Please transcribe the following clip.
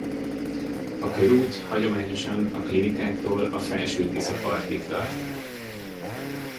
A körút hagyományosan a Klinikáktól a Felső-Tisza partig tart.